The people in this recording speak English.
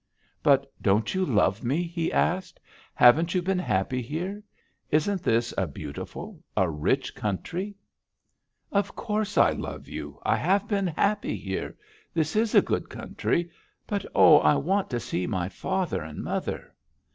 "'But don't you love me?' he asked. 'Haven't you been happy here? Isn't this a beautiful a rich country?' "'Of course I love you! I have been happy here! This is a good country! But oh, I want to see my father and mother!'